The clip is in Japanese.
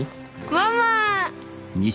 ママ！